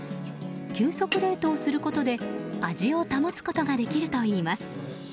急速冷凍することで味を保つことができるといいます。